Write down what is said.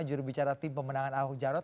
jurubicara tim pemenangan ahok jarot